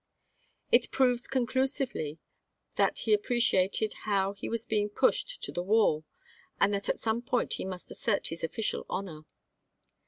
It proves conclusively that he appreciated how he was being pushed to the wall and that at some point he must assert his official honor.